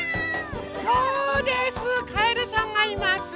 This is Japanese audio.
そうですかえるさんがいます。